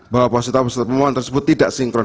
bahwa posita posita pemohon tersebut tidak sinkron